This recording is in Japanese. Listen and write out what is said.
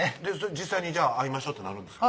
実際に会いましょうってなるんですか？